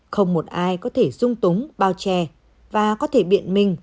không một ai có thể dung túng bao che và có thể biện minh mình